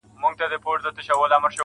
زه به د خال او خط خبري كوم.